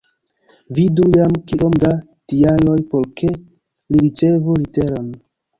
Vidu jam kiom da tialoj por ke li ricevu leteron.